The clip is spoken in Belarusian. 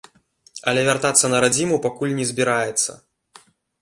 Але вяртацца на радзіму пакуль не збіраецца.